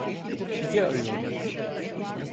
Sizi arıyorlar.